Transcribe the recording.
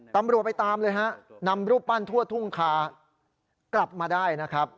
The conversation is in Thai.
ตำรวจไปตามเลยฮะนำรูปปั้นทั่วทุ่งคากลับมาได้นะครับ